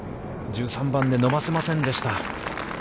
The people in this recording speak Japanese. １３番で伸ばせませんでした。